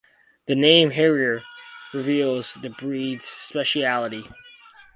The name, Harrier, reveals the breed's specialty.